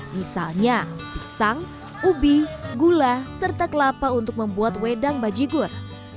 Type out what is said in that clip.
misalnya pisang ubi gula serta kelapa untuk membuat wedang bajigur